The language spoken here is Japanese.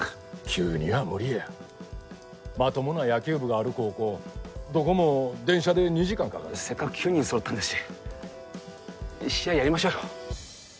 急には無理やまともな野球部がある高校どこも電車で２時間かかるせっかく９人揃ったんですし試合やりましょうよ